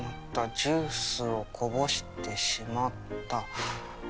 「ジュースをこぼしてしまった」。